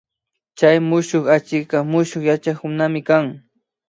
Chay mushuk achikka mushuk yachaykunami kan